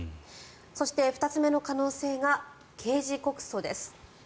そして、２つ目の可能性が刑事告訴です。